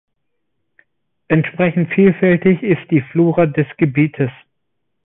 Entsprechend vielfältig ist die Flora des Gebietes.